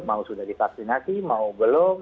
mau sudah divaksinasi mau belum